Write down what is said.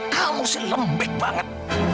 kamu sih lembek banget